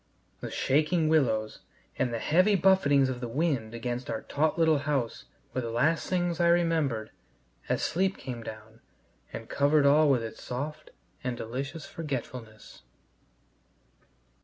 The shaking willows and the heavy buffetings of the wind against our taut little house were the last things I remembered as sleep came down and covered all with its soft and delicious forgetfulness.